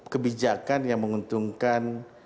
kebijakan yang menguntungkan